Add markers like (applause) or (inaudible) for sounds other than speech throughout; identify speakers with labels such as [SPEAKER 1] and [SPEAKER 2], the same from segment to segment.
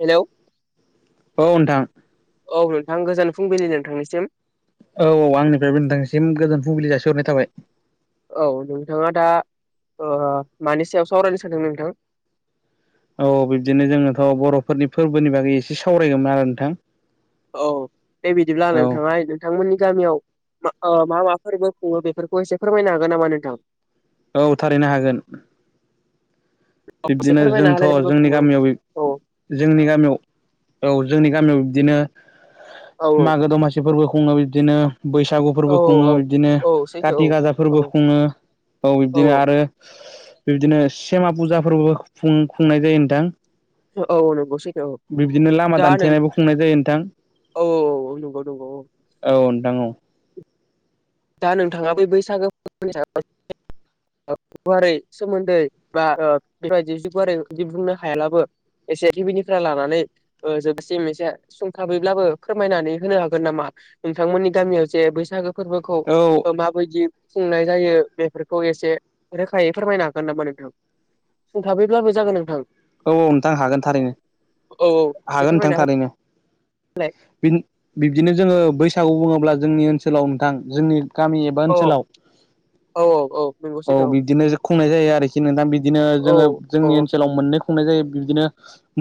[SPEAKER 1] Hello
[SPEAKER 2] औ नोंथां।
[SPEAKER 1] औ नोंथां गोजान फुंबिलि नोंथांनिसिम।
[SPEAKER 2] औ औ आंनिफ्रायबो नोंथांसिम गोजोन फुबलि जासिहरनाय थाबाय।
[SPEAKER 1] औ नोंथाङा दा मानि सायाव सावरायनो सानदों नोंथां
[SPEAKER 2] औ बिब्दिनो जोङोथ' बर'फोरनि फोरबोनि बागै एसे सावरायगौमोन आरो नोंथां।
[SPEAKER 1] औ दे बिदिब्ला
[SPEAKER 2] औ
[SPEAKER 1] नोंथाङाय नोंथांमोननि गामियाव मा माफोरबो खुङो बेफोरखौ एसे फोरमायनो हागोन नामा नोंथां?
[SPEAKER 2] औ थारैनो हागोन।
[SPEAKER 1] एसे
[SPEAKER 2] बिब्दिनो
[SPEAKER 1] फोरमायना
[SPEAKER 2] जोंथ'
[SPEAKER 1] होलाय फोरबो
[SPEAKER 2] जोंनि
[SPEAKER 1] खुङो
[SPEAKER 2] गामियाव
[SPEAKER 1] औ
[SPEAKER 2] जोंनि गामियाव औ जोंनि गामियाव बिदिनो
[SPEAKER 1] औ
[SPEAKER 2] मागो दमासि फोरबो खुङो बिदिनो बैसागु फोरबो
[SPEAKER 1] औ
[SPEAKER 2] खुङो
[SPEAKER 1] औ
[SPEAKER 2] बिदिनो
[SPEAKER 1] औ सैथो
[SPEAKER 2] कति
[SPEAKER 1] औ
[SPEAKER 2] गाजा फोरबो
[SPEAKER 1] औ
[SPEAKER 2] खुङो। औ बिब्दिनो आरो बिबदिनो सेमा फुजाफोरबो खुंनाय जायो नोंथां।
[SPEAKER 1] औ नंगौ सैथो। औ
[SPEAKER 2] बिबदिनो लामा
[SPEAKER 1] दा नों
[SPEAKER 2] दानथेनायबो खुंनाय जायो नोंथां
[SPEAKER 1] औ औ औ नंगौ नंगौ औ
[SPEAKER 2] औ। दङ।
[SPEAKER 1] दा नोंथाङा बै बैसागो फोरनि (unintelligible) गुवारै सोमोन्दै बा बेबायदि गुवारैदि बुंनो हायालाबो एसे गुदिनिफ्राय लानानै जोबसिम एसे सुंथाबैब्लाबो फोरमायनानै होनो हागोन नामा। नोंथांमोननि गामियाव जे बैसागो फोरबोखौ
[SPEAKER 2] औ
[SPEAKER 1] माबायदि खुंनाय जायो बेफोरखौ एसे रोखायै फोरमायनो हागोन नाामा नोंथां। सोंथाबैब्लाबो जागोन नोंथां।
[SPEAKER 2] औ औ नोंथां हागोन थारैनो
[SPEAKER 1] औ एसे
[SPEAKER 2] हागोन नोंथां
[SPEAKER 1] फोरमायना
[SPEAKER 2] थारैनो।
[SPEAKER 1] होलाय
[SPEAKER 2] बिब्दिनो जोङो बैसागु बुङोब्ला जोंनि ओनसोलाव नोंथां जोंनि। गामि एबा
[SPEAKER 1] औ
[SPEAKER 2] ओनसोलाव
[SPEAKER 1] औ औ नंगौ
[SPEAKER 2] औ
[SPEAKER 1] सैथो
[SPEAKER 2] बिदिनो खुंनाय जायो आरोखि नोंथां बिदिनो
[SPEAKER 1] औ
[SPEAKER 2] जोङो
[SPEAKER 1] औ
[SPEAKER 2] जोंनि ओनसोलाव मोननै। खुंनाय जायो बिदिनो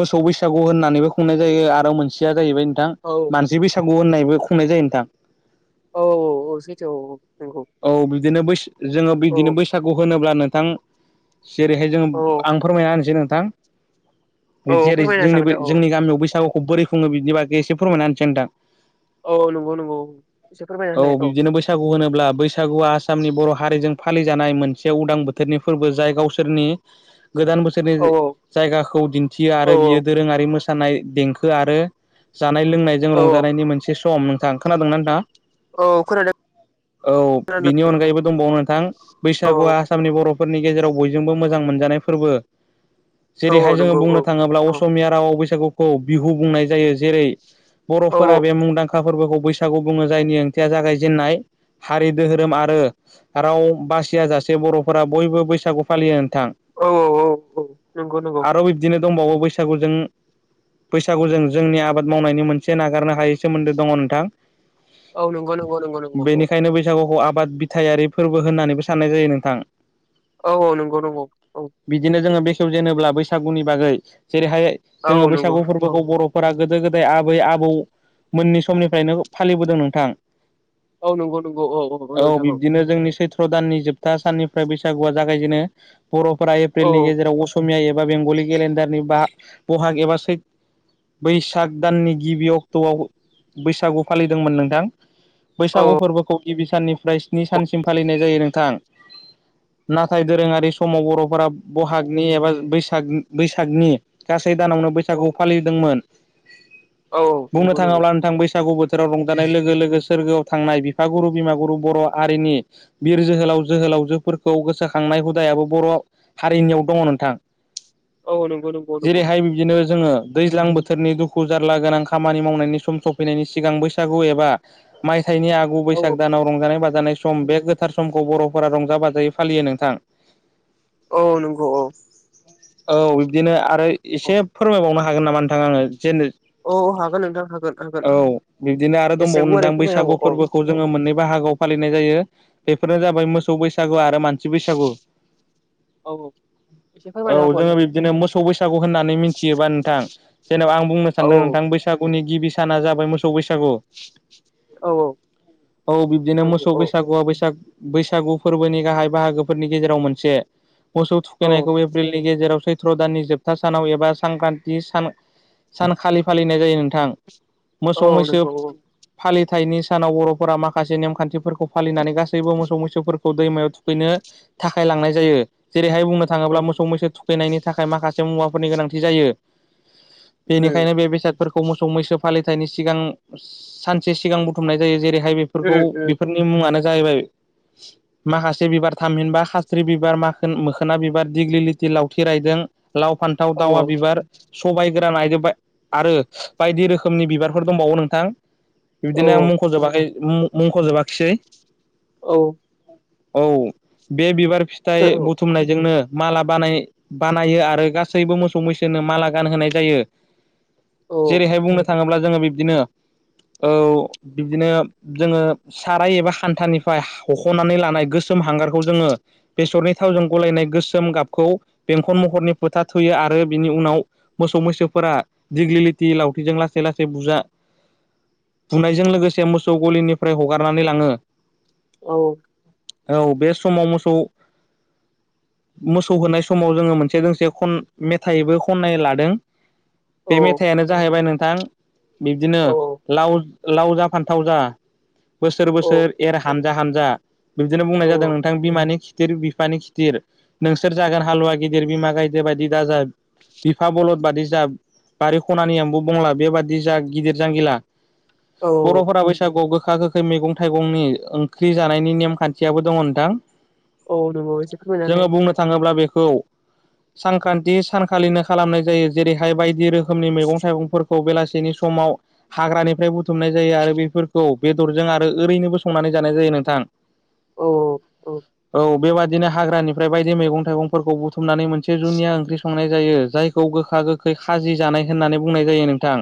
[SPEAKER 2] मोसौ बैसागु होननानैबो खुंनाय जायो आरो मोनसेया जाहैबाय नोंथां
[SPEAKER 1] औ
[SPEAKER 2] मानसि बैसागु होननायबो खुंनाय जायो नोंथां।
[SPEAKER 1] औ औ औ सैथो औ औ नंगौ।
[SPEAKER 2] औ बिदिनो बै जोङो
[SPEAKER 1] औ
[SPEAKER 2] बिदिनो बैसागु होनोब्ला नोंथां। जेरैहाय जोङ
[SPEAKER 1] औ
[SPEAKER 2] आं फोरमायना होनसै नोंथां। बिदि
[SPEAKER 1] औ
[SPEAKER 2] जेरै
[SPEAKER 1] फोरमायना
[SPEAKER 2] जोंनि
[SPEAKER 1] जागोन दे औ
[SPEAKER 2] जोंनि गामियाव बैसागुखौ बोरै खुङो बिनि बागै एसे फोरमायना होनसै नोंथां।
[SPEAKER 1] औ नंगौ नंगौ एसे फोरमायना
[SPEAKER 2] औ
[SPEAKER 1] होलाय
[SPEAKER 2] बिदिनो बैसागु होनोब्ला बैसागुआ आसामनि बर' हारिजों फालिजानाय मोनसे उदां बोथोरनि फोरबो जाय गावसोरनि गोदान बोसोरनि
[SPEAKER 1] औ
[SPEAKER 2] जायगाखौ दिन्थियो
[SPEAKER 1] औ
[SPEAKER 2] आरो बियो दोरोङारि मोसानाय देंखो आरो। जानाय लोंनायजों
[SPEAKER 1] औ
[SPEAKER 2] रंजानायनि मोनसे सम नोंथां खोनादोंना नोंथाङा
[SPEAKER 1] औ खोनादों
[SPEAKER 2] औ
[SPEAKER 1] खोनादों
[SPEAKER 2] बिनि अनगायैबो दंबावो नोंथां
[SPEAKER 1] औ
[SPEAKER 2] बैसागुआ आसामनि बर' फोरनि गेजेराव बयजोंबो मोजां मोनजानाय फोरबो।
[SPEAKER 1] औ
[SPEAKER 2] जेरैहाय
[SPEAKER 1] औ
[SPEAKER 2] जोङो
[SPEAKER 1] नंगौ औ
[SPEAKER 2] बुंनो थाङोब्ला
[SPEAKER 1] औ
[SPEAKER 2] असमिया रावाव बैसागुखौ बिहु बुंनाय जायो जेरै
[SPEAKER 1] औ
[SPEAKER 2] बर'फोरा बे मुंदांखा फोरबोखौ बैसागु बुङो जायनि ओंथिया जागायजेननाय हारि दोरोम आरो राव बासिया जासे बर'फोरा बयबो बैसागु फालियो नोंथां।
[SPEAKER 1] औ- औ - औ - औ नंगौ- नंगौ
[SPEAKER 2] आरो बिब्दिनो दंबावो बैसागुजों बैसागुजों जोंनि आबाद मावनायनि मोनसे नागारनो हायै सोमोन्दो दङ नोंथां
[SPEAKER 1] औ नंगौ नंगौ नंगौ नंगौ औ
[SPEAKER 2] बेनिखायनो बैसागुखौ आ बाद बिथायारि फोरबो होननानैबो साननाय जायो नोंथां
[SPEAKER 1] औ - औ नंगौ - नंगौ औ
[SPEAKER 2] जेनेबा बैसागुनि बागै जेरैहाय
[SPEAKER 1] औ
[SPEAKER 2] जोंङो
[SPEAKER 1] नंगौ
[SPEAKER 2] बैसागु
[SPEAKER 1] औ
[SPEAKER 2] फोरबोखौ बर'फोरा गोदो गोदाय आ बै आबौ मोननि समनिफ्रायनो फालिबोदों नोंथां औ बिब्दिनो जोंनि सैथ्र दाननि जोबथा साननिफ्राय बैसागुआ जागायजेनो बर'फोरा
[SPEAKER 1] औ
[SPEAKER 2] एप्रिलनि गेजेराव अ समिया एबा बेंगलि केलेडारनि बा बहाग एबा सै बैसाग दाननि गिबि अक्ट'आव बैसागु फालिदोंमोन नोंथां
[SPEAKER 1] औ
[SPEAKER 2] बैसागु फोरबोखौ गिबि साननिफ्राय स्नि सानसिम फालिनाय जायो नोंथां नाथाय दोरोंङारि समाव बर'फोरा बहाग नि एबा बैसाग बैसागनि गासै दानावनो
[SPEAKER 1] औ
[SPEAKER 2] बैसागु फालिदोंमोन
[SPEAKER 1] औ
[SPEAKER 2] बुंनो
[SPEAKER 1] नंगौ नंगौ
[SPEAKER 2] थांङोब्ला नोंथां बै सागु बोथोराव रंजानाय लोगो लोगो सोरगोआव थांनाय बिफागुरु बिमागुरु बर' हारिनि बिर जोहोलाव जोहोलावजोफोरखौ गोसोखांनाय हुदायाबो बर' हारिनियाव दङ नोंथां
[SPEAKER 1] औ नंगौ नंगौ नंगौ
[SPEAKER 2] जेरैहाय बिदिनो जोंङो दैज्लां बोथोरनि दुखु जारला गोनां खामानि मावनायनि सम सफैनायनि सिगां बैसागु एबा माइ फिथाइनि आगु
[SPEAKER 1] औ
[SPEAKER 2] बैसाग दानाव रंजानाय बा जानाय सम बे गोथार समखौ बर'फोरा रंजा बाजायै फालियो नोंथां
[SPEAKER 1] औ नंगौ औ
[SPEAKER 2] औ बिब्दिनो आरो
[SPEAKER 1] औ
[SPEAKER 2] एसे फोरमायबावनो हागोन नामा नोंथां आंङो जेन
[SPEAKER 1] औ हागोन नोंथां हागोन हागोन
[SPEAKER 2] औ बिब्दिनो आरो
[SPEAKER 1] एसे
[SPEAKER 2] दंबावो नों
[SPEAKER 1] गुवारै
[SPEAKER 2] दां
[SPEAKER 1] फोरमायनांगौ
[SPEAKER 2] बैसागु
[SPEAKER 1] औ
[SPEAKER 2] फोरबोखौ
[SPEAKER 1] औ
[SPEAKER 2] जोंङो मोननै बा हागोआव फालिनाय जायो बेफोरनो जाबाय मोसौ बैसागु आरो मानसि बैसागु
[SPEAKER 1] (inaudible)
[SPEAKER 2] औ जोंङो
[SPEAKER 1] होबावलाय
[SPEAKER 2] बिब्दिनो मोसौ बैसागु होननानै मिथियोबा नोंथां जेनेबा आं बुंनो
[SPEAKER 1] औ
[SPEAKER 2] सानदों नोंथां बैसागुनि गिबि साना जाबाय मोसौ बैसागु
[SPEAKER 1] औ औ
[SPEAKER 2] औ बिब्दिनो
[SPEAKER 1] नंगौ
[SPEAKER 2] मोसौ
[SPEAKER 1] औ
[SPEAKER 2] बैसागुया बैसाग बैसागु फोरबोनि गाहाय बाहागोफोरनि गेजेराव मोनसे मोसौ
[SPEAKER 1] औ
[SPEAKER 2] थुखैनायखौ एप्रिलनि गेजेरावसो सत्र' दाननि जोबथा सानाव एबा सांख्रान्थि सानखालि फालिनाय जायो नोंथां
[SPEAKER 1] औ
[SPEAKER 2] मोसौ मैसो
[SPEAKER 1] नंगौ
[SPEAKER 2] फालि थाइनि सानाव बर'फोरा माखासे नेमखान्थिफोरखौ फालिनानै गासैबो मोसौ मैसोफोरखौ दैमायाव थुखैनो थाखाय लांनाय जायो। बेहाय बुंनो
[SPEAKER 1] औ
[SPEAKER 2] थांङोब्ला मोसौ मैसो थुखैनायनि थाखाय माखासे मुवाफोरनि गोनांथि जायो।
[SPEAKER 1] उम
[SPEAKER 2] बेनिखायनो बे बेसाद फोरखौ मोसौ मैसो फालिथायनि सिगां सानसे सिगां बुथुमनाय जायो जेरै बेफोरखौ
[SPEAKER 1] उम उम
[SPEAKER 2] बेफोरनि मुंङानो जाहैबाय माखासे बिबार थामहिनबा खाथ्रि बिबार मा मोखोना बिबार दिग्लि लिथि लावथि रायदों लाव फान्थाव
[SPEAKER 1] औ
[SPEAKER 2] दावा बिबार सबाय गोरा नायजोबबाय आरो बायदि रोखोमनि बिबारफोर दंबावो नोंथां
[SPEAKER 1] औ
[SPEAKER 2] बिबदिनो आं मुंख'जोबाखै मुंख'जोबाखिसै
[SPEAKER 1] औ
[SPEAKER 2] औ बे बिबार फिथाइ बु माला बानायो आरो गासैबो मोसौ मैसोनो माला गानहोनाय जायो
[SPEAKER 1] औ
[SPEAKER 2] जेरैहाय बुंनो थांङोब्ला जोंङो बिब्दिनो औ बिदिनो जोंङो साराय एबा हान्थानिफ्राय हख'नानै लानाय गोसो हांगारखौ जोंङो बेसरनि थावजों गलायनाय गोसोम गाबखौ बेंखन महरनि फोथा थुयो आरो बिनि उनाव मोसौ मैसो फोरा दिग्लि लिथि लावथिजों लासै लासै बुजा बुनायजों लोगोसे मोसौ गलिनिफ्राय हगारनानै लाङो
[SPEAKER 1] औ
[SPEAKER 2] औ बे समाव मोसौ मोसौ होनाय समाव जोङो मोनसे दोंसे खन मेथाइबो खननाय लादों बे
[SPEAKER 1] औ
[SPEAKER 2] मेथाइयानो जाहैबाय नोंथां बिब्दिनो
[SPEAKER 1] औ
[SPEAKER 2] लाव लाव जा फान्थाव जा बोसोर
[SPEAKER 1] औ
[SPEAKER 2] बोसोर एर हानजा हानजा बिबदिनो बुंनाय जादों नोंथां बिमानि खिथिर बि बिफानि खिदिर नोंसोर जागोन हालुवा गिदिर बिमा गायदे बायदि दाजा बिफा बलद बादि जा बारि खनानि एमबु बंला बेबादि जा गिदिर जांगिला
[SPEAKER 1] औ
[SPEAKER 2] बर'फोरा बैसागुआव गो गोखा गोखै मैगं-थाइगंनि ओंख्रि जानायनि नेमखानथियाबो दङ' नोंथां
[SPEAKER 1] औ नंगौ एसे फोरमायना
[SPEAKER 2] जोङो
[SPEAKER 1] होनाय
[SPEAKER 2] बुंनो थाङोब्ला बेखौ सानख्रान्थि सानखालिनो खालामनाय जायो जेरैहाय बायदि रोखोमनि मैगं-थाइगंफोरखौ बेलासिनि सम समाव हाग्रानिफ्राय बुथुमनाय जायो आरो बेफोरखौ बेदरजों आरो ओरैनोबो संनानै जानाय जायो नोंथां
[SPEAKER 1] औ औ औ
[SPEAKER 2] बेबायदिनो हाग्रानिफ्राय बायदि मैगं-थाइगंफोरखौ बुथुमनानै मोनसे जुनिया ओंख्रि संनाय जायो जायखौ गोखा-गोखै खाजि जानाय होननानै बुंनाय जायो नोंथां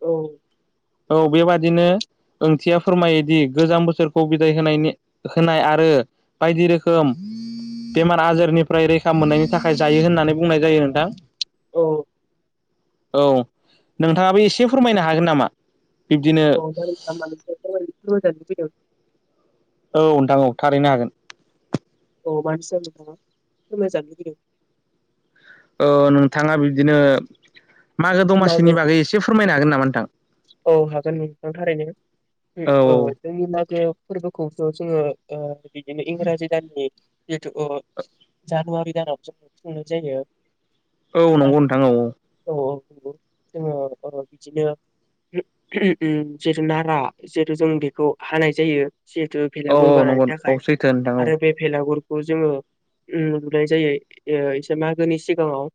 [SPEAKER 1] औ
[SPEAKER 2] औ बेबादिनो ओंथिया फोरमायोदि गोजाम बोसोरखौ बिदाय होनायनि होनाय आरो बायदि रोखोम बेमार-आजारनिफ्राय रैखा मोननायनि थाखाय जायो होननानै बुंनाय जायो नोंथां
[SPEAKER 1] औ
[SPEAKER 2] औ नोंथाङाबो एसे फोरमायनो हागोन नामा? बिब्दिनो
[SPEAKER 1] अ जागोन नोंथाङा मानि सायाव फोरमाय फोरमाय जानो लुबैदों?
[SPEAKER 2] औ नोंथां औ थारैनो हागोन
[SPEAKER 1] औ मानि सायाव नोंथाङा फोरमाय जानो लुबैदों
[SPEAKER 2] ओ नोंथाङा बिब्दिनो मागो दमासिनि बागै इसे फोरमायनो हागोन नामा नोंथां?
[SPEAKER 1] हागोन नोंथां थारैनो ओम औ जोंनि लागोआव फोरबोखौथ' जोङो ओ बिदिनो इंराजि दाननि जिथु ओ जानुवारि दानावसो खुंनाय जायो
[SPEAKER 2] औ नंगौ
[SPEAKER 1] आरो
[SPEAKER 2] नोंथां औ औ
[SPEAKER 1] औ जोङो नंगौ ओ बिदिनो (unintelligible) जेरै नारा जेरै जों बेखौ हानाय जायो जिहेतु
[SPEAKER 2] औ
[SPEAKER 1] भेलागुर
[SPEAKER 2] औ
[SPEAKER 1] बानायनो
[SPEAKER 2] नंगौ औ
[SPEAKER 1] थाखाय
[SPEAKER 2] सैथो नोंथां औ
[SPEAKER 1] आरो बे भेलागुर खौ जोङो ओम लुनाय जायो ओ इसे मागोनि सिगाङाव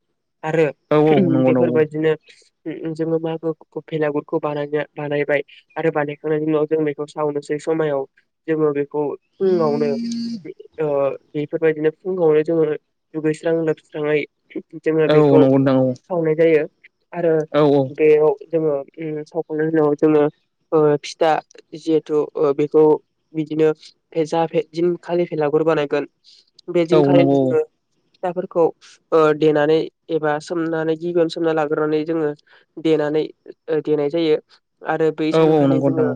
[SPEAKER 1] आरो
[SPEAKER 2] औ औ
[SPEAKER 1] ओम
[SPEAKER 2] नंगौ नंगौ
[SPEAKER 1] बेफोरबायदि बिदिनो जोङो मागो भेलागुरखौ बानायनो बानायबाय आरो बानायखांनायनि उनाव जों बेखौ सावनोसै समायाव जेबो बेखौ फुङावनो ओ बेफोरबायदिनो फुङावनो जोङो दुगैस्रां लोबस्राङै जोङो
[SPEAKER 2] औ औ
[SPEAKER 1] बेखौ
[SPEAKER 2] नंगौ नोंथां
[SPEAKER 1] सावनाय जायो आरो
[SPEAKER 2] औ
[SPEAKER 1] बेयाव जोङो ओम सावखांनायनि उनाव जोङो ओ फिथा जिहेथु ओ बिखौ बिदिनो (unintelligible) दिन खालि भेलागुर बानायगोन बे
[SPEAKER 2] औ
[SPEAKER 1] दिन खालिनो
[SPEAKER 2] नंगौ
[SPEAKER 1] जोङो फिथाफोरखौ ओ देनानै एबा सोमनानै गिबियावनो सोमना ला ग्रोनानै जोङो देनानै ओ देनाय जायो आरो बै
[SPEAKER 2] औ औ
[SPEAKER 1] सानखालि
[SPEAKER 2] नंगौ नोंथां
[SPEAKER 1] जोङो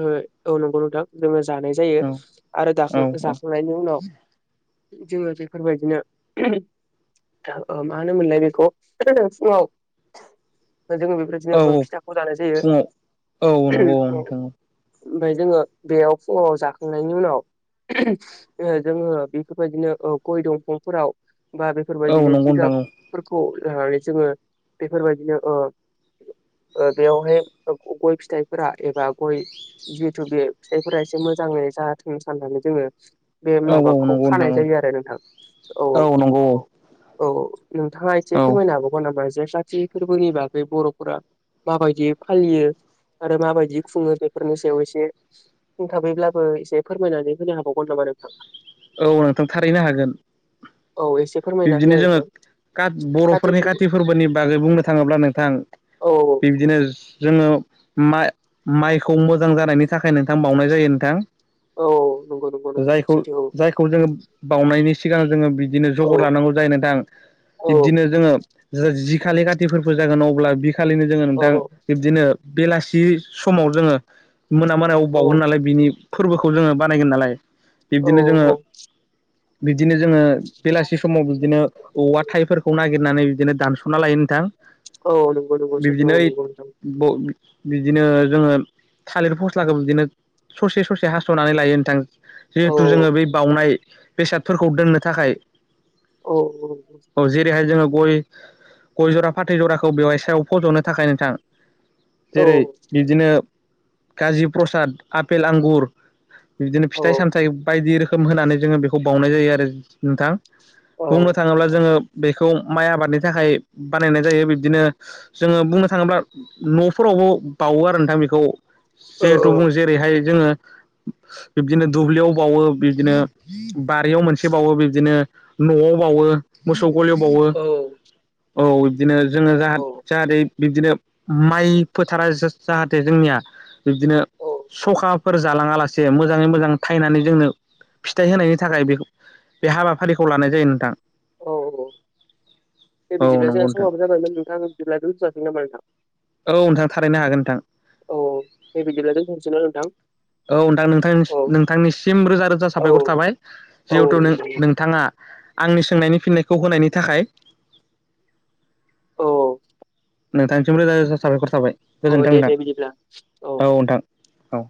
[SPEAKER 1] ओ औ नंगौ नोंथां जोङो जानाय जायो
[SPEAKER 2] औ औ
[SPEAKER 1] आरो दाखां
[SPEAKER 2] औ
[SPEAKER 1] जाखांनायनि उनाव जोङो बेफोरबायदिनो (unintelligible) (unintelligible) ओ माहोनोमोनलाय बेखौ (unintelligible) फुङाव जोङो बेबायदिनो फिथाखौ जानाय जायो
[SPEAKER 2] फुङाव
[SPEAKER 1] उनाव
[SPEAKER 2] औ नंगौ औ
[SPEAKER 1] (unintelligible)
[SPEAKER 2] नोंथां
[SPEAKER 1] ओफफ्राय जोङो बेयाव फुङाव जाखांनायनि उनाव जोङो बेफोरबायदिनो गय दंफांफोराव बा
[SPEAKER 2] औ
[SPEAKER 1] बेफोरबायदिनो
[SPEAKER 2] नंगौ नोंथां औ
[SPEAKER 1] जिगाबफोरखौ लानानै जोङो बेफोरबायदिनो ओ बेयावहाय गय फिथाइफोरा एबा गय जिहेथु बे फिथाइफोरा एसे मोजाङै जाथों साननानै जोङो बे
[SPEAKER 2] औ औ
[SPEAKER 1] माबाखौ
[SPEAKER 2] नंगौ नोंथां
[SPEAKER 1] खानाय जायो आरो नोंथां औ औ नोंथाङा एसे
[SPEAKER 2] औ
[SPEAKER 1] फोरमायनो हाबावगोन नामा जे सा थि फोरबोनि बागै बर'फोरा माबायदि फालियो। आरो माबायदि खुङो बेफोरनि सायाव एसे बुंंथाबैब्लाबो एसे फोरमायनानै होनो हाबावगोन नामा? हागोन नोंथां (unintelligible)
[SPEAKER 2] औ नोंथां थारैनो हागोन
[SPEAKER 1] औ एसे फोरमायना
[SPEAKER 2] बिब्दिनो
[SPEAKER 1] होलाय
[SPEAKER 2] जोङो
[SPEAKER 1] नोंथां
[SPEAKER 2] बर'फोरनि काति फोरबोनि बागै बुंनो थाङोब्ला नोंथां
[SPEAKER 1] औ
[SPEAKER 2] बिबदिनो जोङो मा
[SPEAKER 1] औ
[SPEAKER 2] माइखौ मोजां जानायनि थाखाय नोंथां बावनाय जायो नोंथां
[SPEAKER 1] औ नंगौ नंगौ नंगौ
[SPEAKER 2] जायखौ
[SPEAKER 1] सैथो
[SPEAKER 2] जायखौ जोङो बावनायनि सिगां जोङो बिदिनो
[SPEAKER 1] औ
[SPEAKER 2] जगर लानांगौ जायो नोंथां
[SPEAKER 1] औ
[SPEAKER 2] बिदिनो जोङो जि खालि काथि फोरबो जागोन अब्ला आ खालिनो जोङो
[SPEAKER 1] औ
[SPEAKER 2] नोंथां बिब्दिनो बेलासि समाव जोङो मोना मोनायाव
[SPEAKER 1] औ
[SPEAKER 2] बावगोन नालाय बिनि फोरबोखौ जोङो बानायगोन नालाय
[SPEAKER 1] औ
[SPEAKER 2] बिब्दिनो जोङो
[SPEAKER 1] औ
[SPEAKER 2] बिब्दिनो जोङो बेलासि समाव बिदिनो औवा थाइफोरखौ नागिरनानै बिदिनो दानस'ना लायो नोंथां
[SPEAKER 1] औ नंगौ नंगौ सैथो
[SPEAKER 2] बिदिनो
[SPEAKER 1] औ नंगौ नोंथां
[SPEAKER 2] ब बिदिनो जोङो थालिर फस्लाखौ बिदिनो ससे ससे हासथ'नानै लायो नोंथां
[SPEAKER 1] औ
[SPEAKER 2] जिहेथु जोङो बै बाउनाय बेसादफोरखौ दोननो थाखाय
[SPEAKER 1] औ औ
[SPEAKER 2] औ जेरैहाय जोङो गय गय जरा फाथै जराखौ बेवाय सायाव फज'नो थाखाय नोंथां
[SPEAKER 1] औ
[SPEAKER 2] जेरै बिदिनो काजि प्रसाद आफेल आंगुर बिदिनो
[SPEAKER 1] औ
[SPEAKER 2] फिथाइ सामथाइ बायदि रोखोम होनानै जोङो बेखौ बाउनाय जायो आरो नोंथां
[SPEAKER 1] औ
[SPEAKER 2] बुंनो थाङोब्ला जोङो बे खौ माइ आबादनि थाखाय बानायनाय जायो बिब्दिनो जोङो बुंनो थाङोब्ला न'फोरावबो बाउवो आरो नोंथां बेखौ
[SPEAKER 1] औ
[SPEAKER 2] जिहेथु बुं जेरैहाय जोङो बिब्दिनो दुब्लियाव बाउवो बिब्दिनो बारियाव मोनसे बाउवो बिब्दिनो न'आव बाउवो मोसौ गलियाव बाउवो औ बिदिनो जोङो जाहाथ जाहाथे बिदिनो माइ फोथारा जा जाहाथे जोंनिया बिब्दिनो
[SPEAKER 1] औ
[SPEAKER 2] सखा फोर जालाङा लासे मोजाङै मोजां थायैनानै जोंनो फिथाइ होनायनि थाखाय बे बे हाबा फारिखौ लानाय जायो नोंथां
[SPEAKER 1] औ दे
[SPEAKER 2] औ
[SPEAKER 1] बिदिब्ला जोंहा
[SPEAKER 2] नंगौ नोंथां
[SPEAKER 1] समाबो जाबायमोन नोंथां बिदिब्ला दोथ'सै नामा नोंथां
[SPEAKER 2] औ नोंथां थारैनो हागोन नोंथां
[SPEAKER 1] औ दे बिदिब्ला दोनथ'सै ना नोंथां
[SPEAKER 2] औ नोंथां नोंथां
[SPEAKER 1] औ
[SPEAKER 2] नोंथांनिसिम रोजा रोजा
[SPEAKER 1] औ
[SPEAKER 2] साबायखर थाबाय जिहेथु
[SPEAKER 1] औ
[SPEAKER 2] नोंथाङा आंनि सोंनायनि फिननायखौ होनायनि थाखाय
[SPEAKER 1] औ
[SPEAKER 2] नोंथांसिम रोजा रोजा साबायखर थाबाय
[SPEAKER 1] औ
[SPEAKER 2] गोजोन्थों
[SPEAKER 1] दे
[SPEAKER 2] नोंथां
[SPEAKER 1] दे बिदिब्ला
[SPEAKER 2] औ नोंथां औ